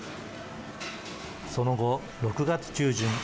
その後、６月中旬